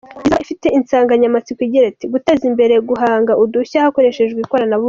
Izaba ifite insanganyamatsiko igira iti “Guteza imbere guhanga udushya hakoreshejwe ikoranabuhanga.